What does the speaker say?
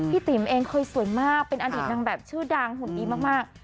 ติ๋มเองเคยสวยมากเป็นอดีตนางแบบชื่อดังหุ่นดีมาก